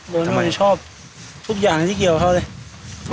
โรแนโด่ชอบทุกอย่างที่เกี่ยวของเขาเลย